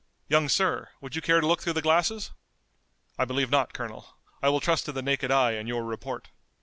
Young sir, would you care to look through the glasses?" "I believe not, Colonel. I will trust to the naked eye and your report."